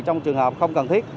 trong trường hợp không cần thiết